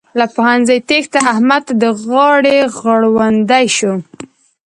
له پوهنځي تېښته؛ احمد ته د غاړې غړوندی شو.